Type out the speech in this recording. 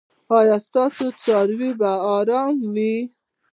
ایا ستاسو څاروي به ارام وي؟